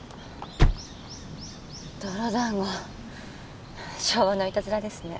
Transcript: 泥団子昭和ないたずらですね。